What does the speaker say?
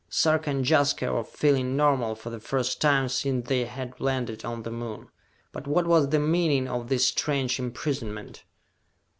Sarka and Jaska were feeling normal for the first time since they had landed on the Moon. But what was the meaning of this strange imprisonment?